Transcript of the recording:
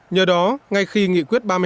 nhờ đó ngay khi nghị quyết ba mươi hai